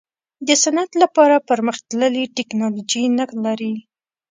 د صنعت لپاره پرمختللې ټیکنالوجي نه لري.